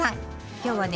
今日はね